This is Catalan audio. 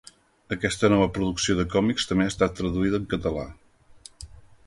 Aquesta nova producció de còmics també ha estat traduïda en català.